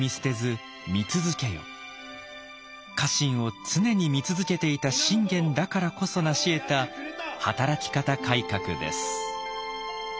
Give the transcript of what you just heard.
家臣を常に見続けていた信玄だからこそ成しえた働き方改革です。